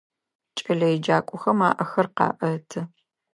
Кӏэлэеджакӏохэм аӏэхэр къаӏэты.